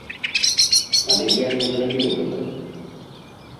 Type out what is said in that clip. Але я не зрабіў гэтага.